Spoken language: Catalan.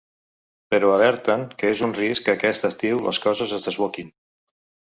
Però alerten que és un risc que aquest estiu les coses es desboquin.